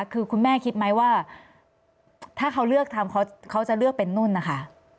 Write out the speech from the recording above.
คือคุณแม่คิดไหมว่าถ้าเขาเลือกทำเขาจะเลือกเป็นนุ่นนะคะ